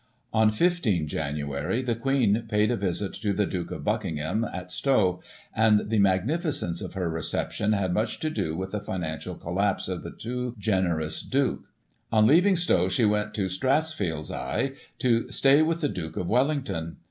On 15 January the Queen paid a visit to the Duke of Buckmgham, at Stowe, and the magnificence of her reception had much to do with the financial collapse of the too generous Duke. On leaving Stowe she went to Strathfieldsaye to stay with the Duke of Wellington.